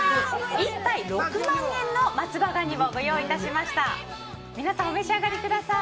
１杯６万円の松葉ガニを用意しました。